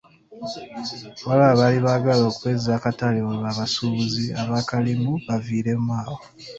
Waliwo abaali baagala okwezza akatale olwo abasuubuzi abakalimu bavireemu awo.